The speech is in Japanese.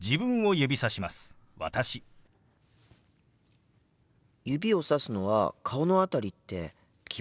指をさすのは顔の辺りって決まっているんですか？